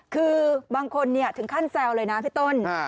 คือบางคนถึงขั้นแซวเลยนะพี่ต้น